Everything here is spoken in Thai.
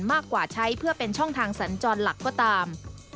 มากกว่าใช้เพื่อเป็นช่องทางสัญจรหลักก็ตาม